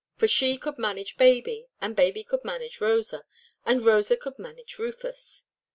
For she could manage baby, and baby could manage Rosa, and Rosa could manage Rufus.